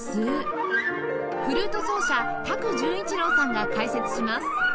フルート奏者多久潤一朗さんが解説します